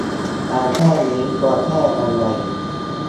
การแจ้งนี่ควรแจ้งยังไง